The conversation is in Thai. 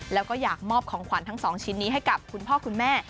แล้วก็อยากมอบของขวัญทั้ง๒ชิ้นนี้ให้กับคุณพ่อคุณแม่